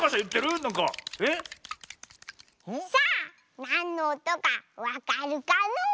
さあなんのおとかわかるかのう？